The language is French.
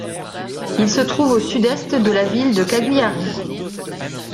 Il se trouve au sud-est de la ville de Cagliari.